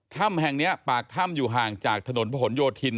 ถ้ำแห่งนี้ปากถ้ำอยู่ห่างจากถนนพระหลโยธิน